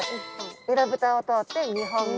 えらぶたを通って２本目。